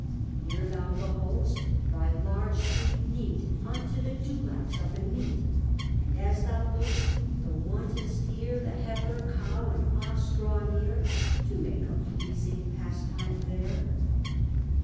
Here thou behold'st thy large sleek neat Unto the dew laps up in meat: And, as thou look'st, the wanton steer, The heifer, cow, and ox draw near, To make a pleasing pastime there.